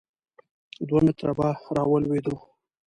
دوه متره به را ولوېدو.